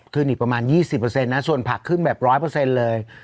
ขึ้นอีกประมาณ๒๐เปอร์เซ็นต์นะส่วนผักขึ้นแบบ๑๐๐เปอร์เซ็นต์เลย